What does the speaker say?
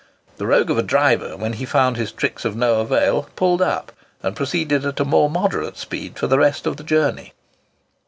The rogue of a driver, when he found his tricks of no avail, pulled up and proceeded at a more moderate speed for the rest of the journey.